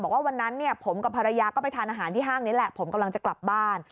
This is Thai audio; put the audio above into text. วันนั้นเนี่ยผมกับภรรยาก็ไปทานอาหารที่ห้างนี้แหละผมกำลังจะกลับบ้าน